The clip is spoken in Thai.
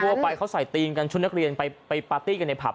ทั่วไปเขาใส่ตีนกันชุดนักเรียนไปปาร์ตี้กันในผับ